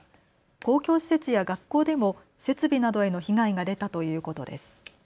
公共施設や学校でも設備などへの被害が出たということです。